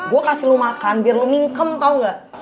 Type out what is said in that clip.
gue kasih lo makan biar lo mingkem tau gak